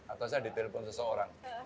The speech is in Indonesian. atau saya ditelepon seseorang